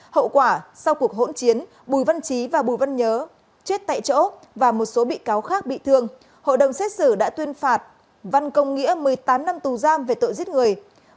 hậu quả sau cuộc hỗn chiến bùi văn trí và bùi văn nhớ chết tại chỗ và một số bị cáo khác bị thương hội đồng xét xử đã tuyên phạt văn công nghĩa một mươi tám năm tù giam về tội giết người